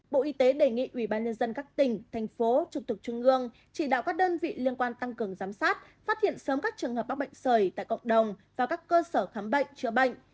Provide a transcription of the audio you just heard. bộ y tế đề nghị ubnd các tỉnh thành phố trực tục trung ương chỉ đạo các đơn vị liên quan tăng cường giám sát phát hiện sớm các trường hợp bác bệnh sởi tại cộng đồng và các cơ sở khám bệnh chữa bệnh